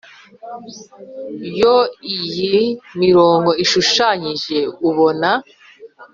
yo iyi mirongo ishushanyije ubona,